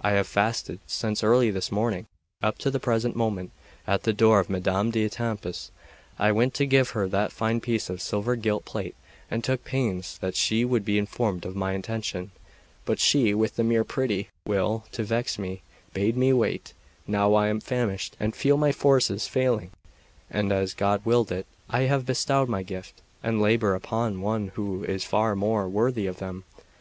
I have fasted since early this morning up to the present moment, at the door of Madame d'Etampes; I went to give her that fine piece of silver gilt plate, and took pains that she would be informed of my intention; but she, with the mere petty will to vex me, bade me wait; now I am famished, and feel my forces failing; and, as God willed it, I have bestowed my gift and labour upon one who is far more worthy of them.